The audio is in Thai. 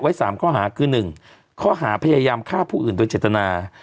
ไว้สามข้อหาคือหนึ่งข้อหาพยายามฆ่าผู้อื่นโดยเจตนา